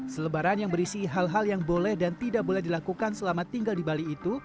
selebaran yang berisi hal hal yang boleh dan tidak boleh dilakukan selama tinggal di bali itu